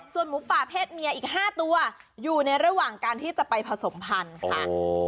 ส่วนหมูป่าเพศเมียอีก๕ตัวอยู่ในระหว่างการที่จะไปผสมพันธุ์ค่ะ